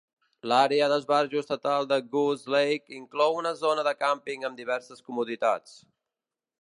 L'àrea d'esbarjo estatal de Goose Lake inclou una zona de càmping amb diverses comoditats.